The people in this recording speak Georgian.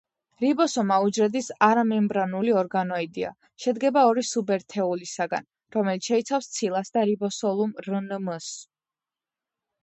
რიბოსომა უჯრედის არამემბრანული ორგანოიდია შედგება ორი სუბერთეულისაგან , რომელიც შეიცავს ცილას და რიბოსომულ რნმ-ს.